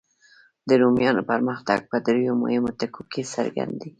د رومیانو پرمختګ په دریو مهمو ټکو کې څرګند دی.